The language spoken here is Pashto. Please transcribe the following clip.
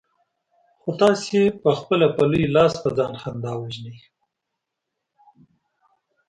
خو تاسې پخپله په لوی لاس په ځان خندا وژنئ.